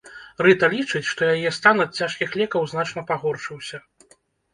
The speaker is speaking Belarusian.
Рыта лічыць, што яе стан ад цяжкіх лекаў значна пагоршыўся.